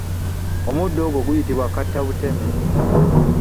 Omuddo ogwo guyitibwa kattabuteme.